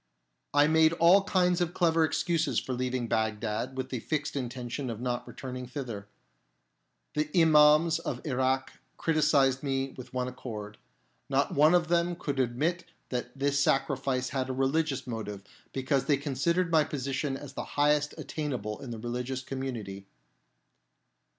I made all kinds of clever excuses for leaving Bagdad with the fixed intention of not returning thither. The Imams of Irak criticised me with one accord. Not one of them could admit that this sacrifice had a religious motive, because they considered my position as the highest attainable in the religious community.